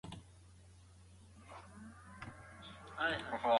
د خبرو اترو سره د سولې ټینګښت د ټولو لپاره مهم دی.